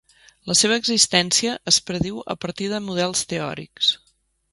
La seva existència es prediu a partir de models teòrics.